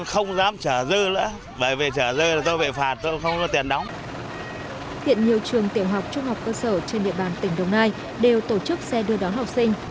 hiện nhiều trường tiểu học trung học cơ sở trên địa bàn tỉnh đồng nai đều tổ chức xe đưa đón học sinh